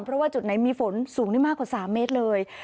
เพราะว่าจุดไหนมีฝนสูงได้มากกว่า๓เมตรเลย